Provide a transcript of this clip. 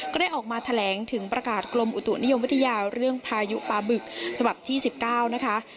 ก็ได้ออกมาแถลงถึงประกาศกรมอุตุนิยมวิทยาเรื่องพายุปลาบึกฉบับที่๑๙นะคะ